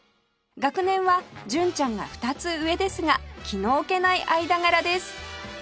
学年は純ちゃんが２つ上ですが気の置けない間柄です